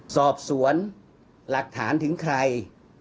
สอบสวนหลักฐานถึงใคร